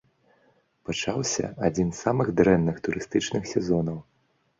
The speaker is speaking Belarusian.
Пачаўся адзін з самых дрэнных турыстычных сезонаў.